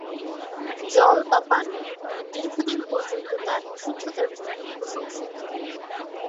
জল বা পানি দীর্ঘদিন পর্যন্ত তার বিশুদ্ধতা জন্য প্রশংসিত।